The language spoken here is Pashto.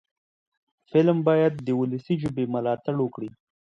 فلم باید د ولسي ژبې ملاتړ وکړي